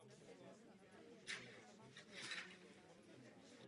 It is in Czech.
Samotná Komise v tom má zmatek.